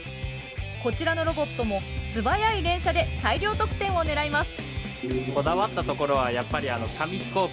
こちらのロボットも素早い連射で大量得点を狙います。